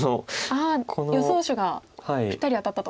予想手がぴったり当たったと。